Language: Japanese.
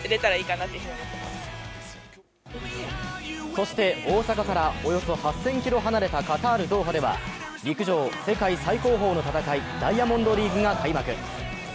そして大阪からおよそ８０００ｋｍ離れたカタール・ドーハでは陸上世界最高峰の戦いダイヤモンドリーグが開幕。